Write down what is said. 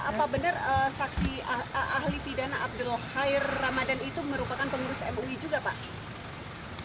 apa benar saksi ahli pidana abdul khair ramadan itu merupakan pengurus mui juga pak